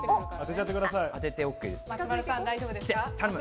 松丸さん、大丈夫ですか？